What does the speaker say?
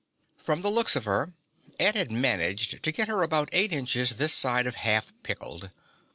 From the looks of her, Ed had managed to get her about eight inches this side of half pickled.